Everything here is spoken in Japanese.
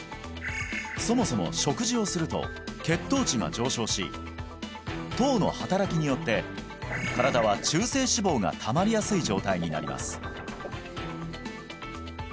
そもそも食事をすると血糖値が上昇し糖の働きによって身体は中性脂肪がたまりやすい状態になります